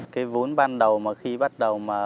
cái vốn ban đầu mà khi bắt đầu mà